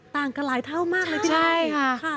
ต่างกันหลายเท่ามากเลยพี่โน้ต